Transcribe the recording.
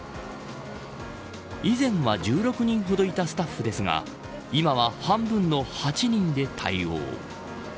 以前は１６人ほどいたスタッフですが今は半分の８人で対応。